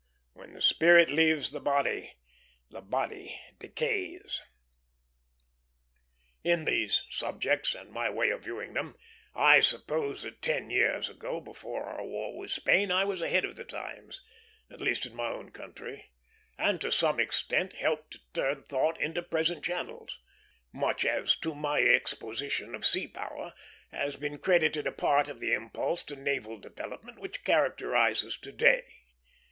When the spirit leaves the body, the body decays. In these subjects and my way of viewing them, I suppose that ten years ago, before our war with Spain, I was ahead of the times, at least in my own country, and to some extent helped to turn thought into present channels; much as to my exposition of sea power has been credited a part of the impulse to naval development which characterizes to day.